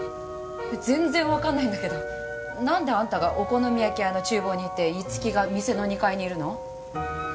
全然分かんないんだけど何であんたがお好み焼き屋の厨房にいていつきが店の二階にいるの？